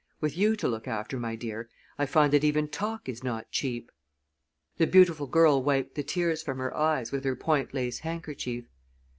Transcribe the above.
With you to look after, my dear, I find that even talk is not cheap." The beautiful girl wiped the tears from her eyes with her point lace handkerchief.